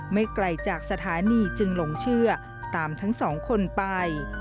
ไม่ไกลจากสถานีจึงหลงเชื่อตามทั้งสองคนไป